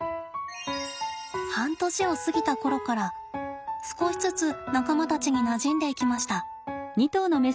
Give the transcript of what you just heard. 半年を過ぎた頃から少しずつ仲間たちになじんでいきました。